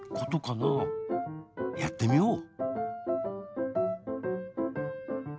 やってみよう。